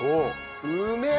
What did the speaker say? うめえ！